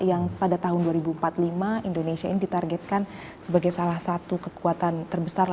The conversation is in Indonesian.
yang pada tahun dua ribu empat puluh lima indonesia ini ditargetkan sebagai salah satu kekuatan terbesar